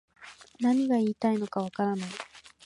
何が言いたいのかわからない